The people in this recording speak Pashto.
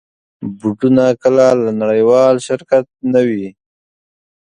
بوټونه کله له نړېوال شرکت نه وي.